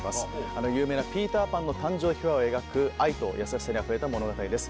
あの有名な「ピーターパン」の誕生秘話を描く愛と優しさにあふれた物語です